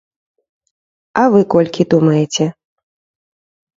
А вы колькі думаеце?